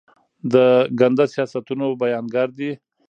د ګنده سیاستونو بیانګر دي.